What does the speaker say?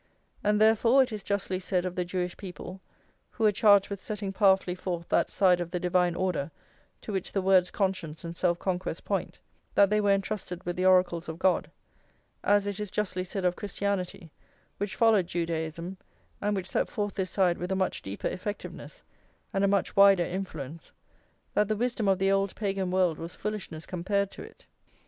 And, therefore, it is justly said of the Jewish people, who were charged with setting powerfully forth that side of the divine order to which the words conscience and self conquest point, that they were "entrusted with the oracles of God;"+ as it is justly said of Christianity, which followed Judaism and which set forth this side with a much deeper effectiveness and a much wider influence, that the wisdom of the old Pagan world was foolishness compared to it.